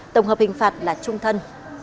tổng hợp hình phạt là trung thân